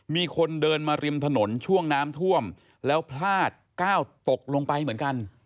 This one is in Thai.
มีคนเดินมาริมถนนช่วงน้ำท่วมแล้วพลาดก้าวตกลงไปเหมือนกัน